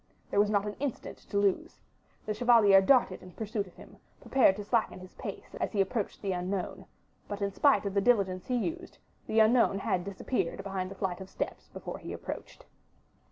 There was not an instant to lose; the chevalier darted in pursuit of him, prepared to slacken his pace as he approached the unknown; but in spite of the diligence he used, the unknown had disappeared behind the flight of steps before he approached.